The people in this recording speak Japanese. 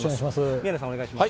宮根さんお願いいたします。